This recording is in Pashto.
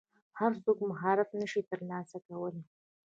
هر څوک مهارت نشي ترلاسه کولی.